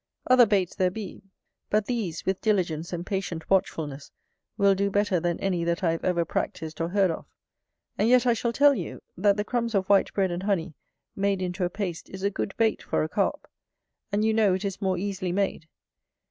Other baits there be; but these, with diligence and patient watchfulness, will do better than any that I have ever practiced or heard of. And yet I shall tell you, that the crumbs of white bread and honey made into a paste is a good bait for a Carp; and you know, it is more easily made.